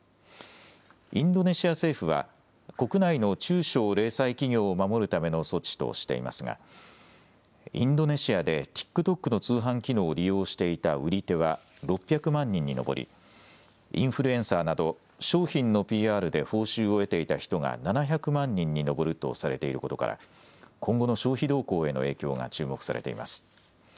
インドネシア政府は国内の中小・零細企業を守るための措置としていますがインドネシアでＴｉｋＴｏｋの通販機能を利用していた売り手は６００万人に上りインフルエンサーなど商品のＰＲで報酬を得ていた人が７００万人に上るとされていることから今後の消費動向への影響が注目されています。